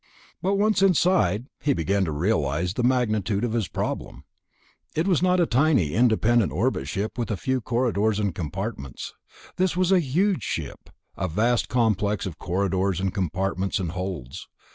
But once inside, he began to realize the magnitude of his problem. This was not a tiny independent orbit ship with a few corridors and compartments. This was a huge ship, a vast complex of corridors and compartments and holds.